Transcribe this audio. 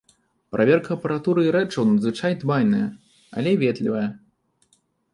Праверка апаратуры і рэчаў надзвычай дбайная, але ветлівая.